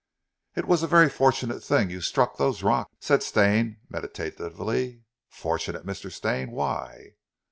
"It was a very fortunate thing you struck those rocks," said Stane meditatively. "Fortunate, Mr. Stane? Why?"